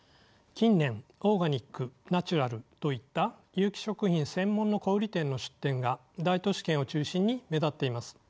近年オーガニックナチュラルといった有機食品専門の小売店の出店が大都市圏を中心に目立っています。